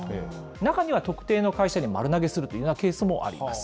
中には特定の会社に丸投げするというようなケースもあります。